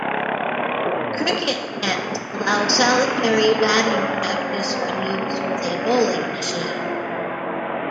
Cricket nets allow solitary batting practise when used with a bowling machine.